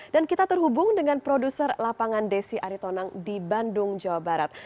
dan kita terhubung dengan produser lapangan desi aritonang di bandung jawa barat